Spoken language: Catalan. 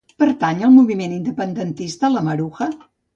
Pertany al moviment independentista la Maruja?